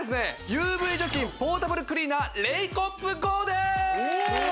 ＵＶ除菌ポータブルクリーナーレイコップＧＯでーす！